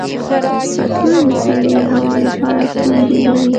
عطرونه د سړې هوا لپاره توند بوی لري.